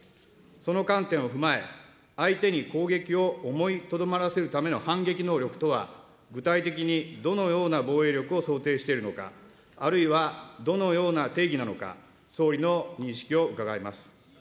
その観点を踏まえ、相手に攻撃を思いとどまらせるための反撃能力とは、具体的にどのような防衛力を想定しているのか、あるいはどのような定義なのか、総理の認識を伺います。